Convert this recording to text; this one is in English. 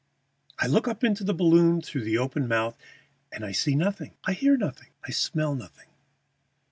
I look up into the balloon through the open mouth, and I see nothing; I hear nothing; I smell nothing.